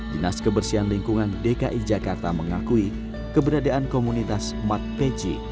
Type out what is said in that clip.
dinas kebersihan lingkungan dki jakarta mengakui keberadaan komunitas matpeci